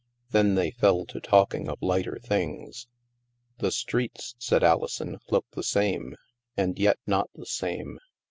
Then they fell to talking of lighter things. " The streets," said Alison, " look the same, and yet not the same.